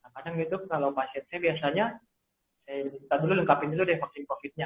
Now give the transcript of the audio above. kadang itu kalau pasiennya biasanya kita dulu lengkapin dulu deh vaksin covid sembilan belas nya